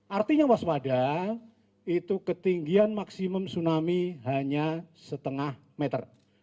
artinya waspada itu ketinggian maksimum tsunami hanya setengah meter